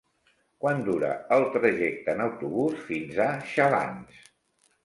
Quant dura el trajecte en autobús fins a Xalans?